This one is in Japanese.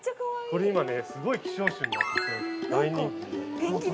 ◆これ今ね、すごい希少種になってて、大人気。